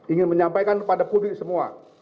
ingin menyampaikan kepada publik semua